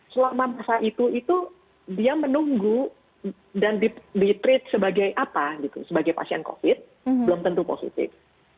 selama masa itu itu dia menunggu dan di treat sebagai apa sebagai pasien covid belum tentu positif